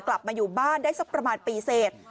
กลับมาอยู่บ้านได้สักประมาณปีเสร็จ